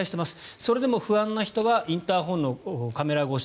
それでも不安な人はインターホンのカメラ越し